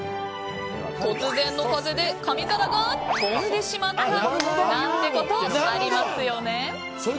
突然の風で紙皿が飛んでしまったなんてこと、ありますよね。